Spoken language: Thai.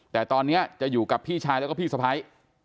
แต่ตอนนี้จะอยู่กับพี่ชายแล้วก็พี่สะพ้าย